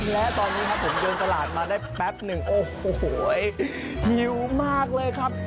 และตอนนี้ครับผมเดินตลาดมาได้แป๊บหนึ่งโอ้โหหิวมากเลยครับ